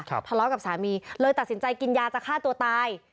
ทะเลาะกับสามีเลยตัดสินใจกินยาจะฆ่าตัวตาย